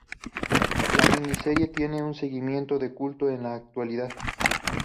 La mini- serie tiene un seguimiento de culto en la actualidad.